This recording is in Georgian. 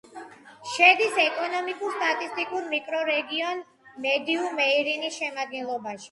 შედის ეკონომიკურ-სტატისტიკურ მიკრორეგიონ მედიუ-მეარინის შემადგენლობაში.